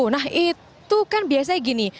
nah itu kan biasanya gini